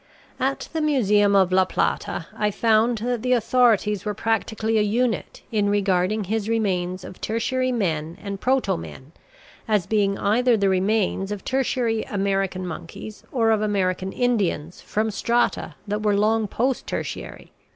At the Museum of La Plata I found that the authorities were practically a unit in regarding his remains of tertiary men and proto men as being either the remains of tertiary American monkeys or of American Indians from strata that were long post tertiary.